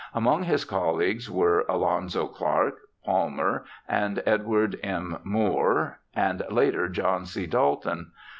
Among his colleagues were Alonzo Clark, Palmer, and Edward M. Moore, and later John C. Dalton.